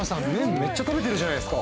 めっちゃ食べてるじゃないですか。